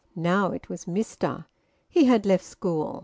Now it was `Mister.' He had left school.